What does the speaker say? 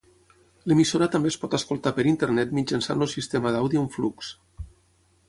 L'emissora també es pot escoltar per Internet mitjançant el sistema d'àudio en flux.